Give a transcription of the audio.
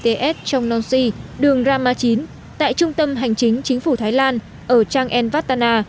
tàu điện trong nongsi đường rama chín tại trung tâm hành chính chính phủ thái lan ở chang an vatana